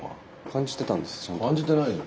感じてないよ。